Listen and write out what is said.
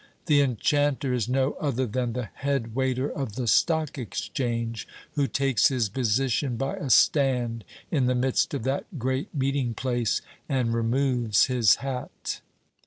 The enchanter is no other than the head waiter of the Stock Exchange, who takes his position by a stand in the midst of that great meeting place, and removes his hat.